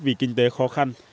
vì kinh tế khó khăn